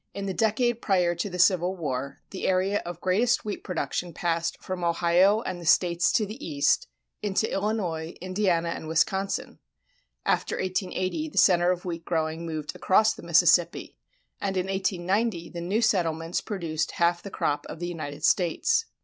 In the decade prior to the Civil War, the area of greatest wheat production passed from Ohio and the States to the east, into Illinois, Indiana, and Wisconsin; after 1880, the center of wheat growing moved across the Mississippi; and in 1890 the new settlements produced half the crop of the United States.